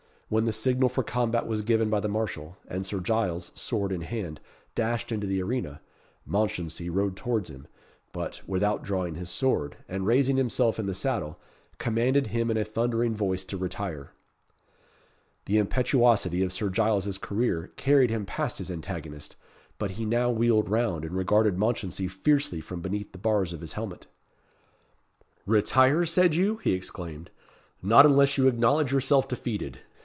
When the signal for the combat was given by the marshal, and Sir Giles, sword in hand, dashed into the arena, Mounchensey rode towards him, but, without drawing his sword, and raising himself in the saddle, commanded him in a thundering voice to retire. The impetuosity of Sir Giles's career carried him past his antagonist, but he now wheeled round, and regarded Mounchensey fiercely from beneath the bars of his helmet. "Retire, said you?" he exclaimed; "not unless you acknowledge yourself defeated.